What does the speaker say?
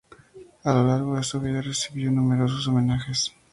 A lo largo de su vida recibió numerosos homenajes.